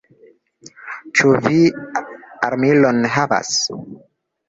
Ĉu vi armilon havas?